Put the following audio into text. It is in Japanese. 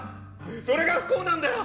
それが不幸なんだよ！